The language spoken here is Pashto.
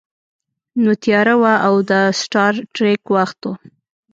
نو تیاره وه او د سټار ټریک وخت و